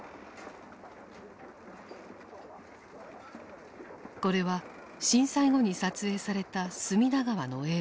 これは震災後に撮影された隅田川の映像である。